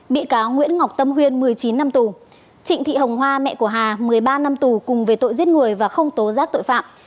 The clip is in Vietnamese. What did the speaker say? bị cáo nguyễn ngọc tâm huyên một mươi chín năm tù trịnh thị hồng hoa mẹ của hà một mươi ba năm tù cùng về tội giết người và không tố giác tội phạm